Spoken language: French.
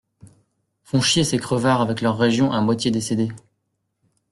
Font chier ces crevards avec leurs régions à moitié décédées.